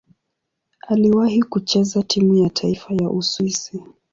Aliwahi kucheza timu ya taifa ya Uswisi.